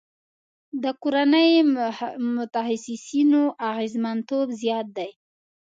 د کورني متخصصینو اغیزمنتوب زیات دی.